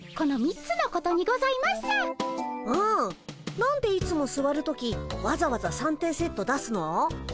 何でいつもすわる時わざわざ三点セット出すの？